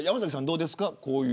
どうですか。